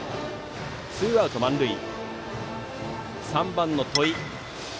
ツーアウト満塁で３番の戸井。